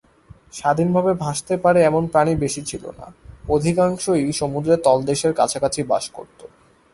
স্বাধীনভাবে ভাসতে পারে এমন প্রাণী বেশি ছিল না; অধিকাংশই সমুদ্রের তলদেশের কাছাকাছি বাস করত।